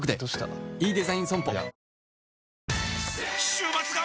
週末が！！